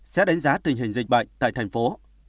xét đánh giá tình hình dịch bệnh tại thành phố